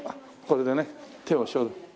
これでね手を消毒。